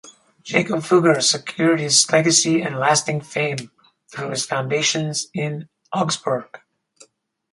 Jakob Fugger secured his legacy and lasting fame through his foundations in Augsburg.